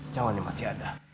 cawan ini masih ada